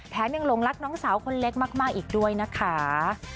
ยังหลงรักน้องสาวคนเล็กมากอีกด้วยนะคะ